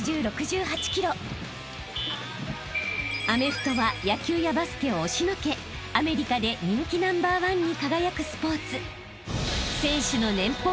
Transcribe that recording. ［アメフトは野球やバスケを押しのけアメリカで人気ナンバーワンに輝くスポーツ］